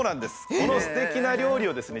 このすてきな料理をですね